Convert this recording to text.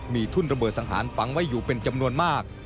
มีทุ่นระเบิดสังหารฝังไว้อยู่เป็นจำนวนมาก